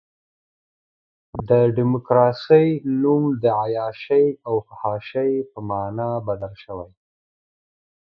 د ډیموکراسۍ نوم د عیاشۍ او فحاشۍ په معنی بدل شوی.